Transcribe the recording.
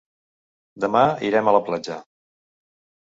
Demà irem a la platja.